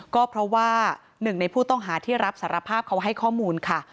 ก็เพราะว่าหนึ่งในผู้ต้องหาที่รับสารภาพเขาให้ข้อมูลค่ะ